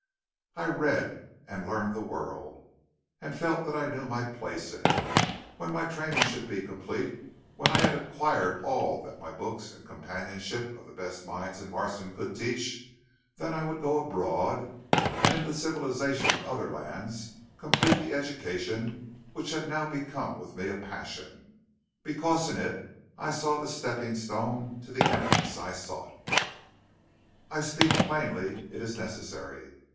"I read, and learned the world, and felt that I knew my place in it. When my training should be complete, when I had acquired all that my books and the companionship of the best minds in Marston could teach, then I would go abroad, and in the civilization of other lands complete the education which had now become with me a passion, because in it I saw the stepping stone to the eminence I sought. "I speak plainly; it is necessary.